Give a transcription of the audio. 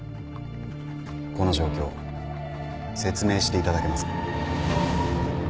この状況説明していただけますか？